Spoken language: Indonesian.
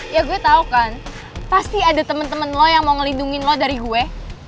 ya gue tau kan pasti ada temen temen lo yang mau ngelindungin lo dari gue